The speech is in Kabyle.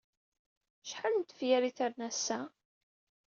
Acḥal n tefyar ay terna ass-a?